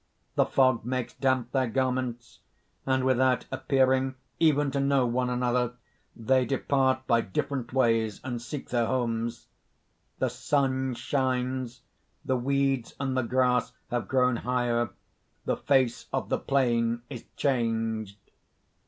The fog makes damp their garments; and, without appearing even to know one another, they depart by different ways and seek their homes._ _The sun shines; the weeds and the grass have grown higher; the face of the plain is changed.